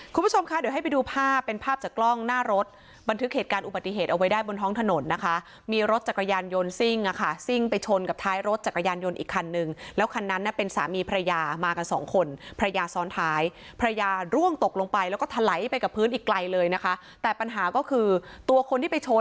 คุณผู้ชมคะเดี๋ยวให้ไปดูภาพเป็นภาพจากกล้องหน้ารถบันทึกเหตุการณ์อุบัติเหตุเอาไว้ได้บนท้องถนนนะคะมีรถจักรยานยนต์ซิ่งอ่ะค่ะซิ่งไปชนกับท้ายรถจักรยานยนต์อีกคันนึงแล้วคันนั้นน่ะเป็นสามีภรรยามากันสองคนภรรยาซ้อนท้ายภรรยาร่วงตกลงไปแล้วก็ถลายไปกับพื้นอีกไกลเลยนะคะแต่ปัญหาก็คือตัวคนที่ไปชน